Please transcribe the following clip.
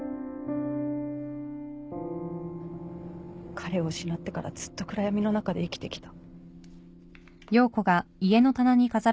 彼を失ってからずっと暗闇の中で生きてきた。